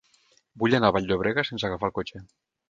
Vull anar a Vall-llobrega sense agafar el cotxe.